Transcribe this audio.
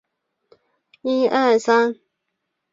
北与杉并区梅里之间以五日市街道为界。